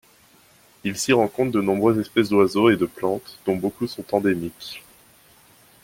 Il s'y rencontre de nombreuses espèces d'oiseaux et de plantes, dont beaucoup sont endémiques.